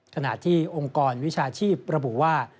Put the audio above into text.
ขณะที่องค์กรวิชาชีพระบุว่า